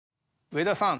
上田さん